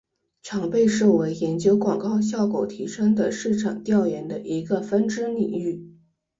常被视为研究广告效果提升的市场调研的一个分支领域。